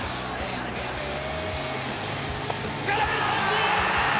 空振り三振！